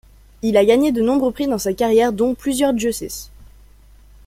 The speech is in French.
Il a gagné de nombreux prix dans sa carrière, dont plusieurs Jussis.